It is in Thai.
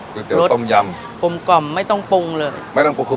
เกินไปกรมไม่ต้องปุ่งเลย